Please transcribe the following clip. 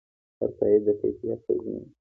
هر تایید د کیفیت تضمین دی.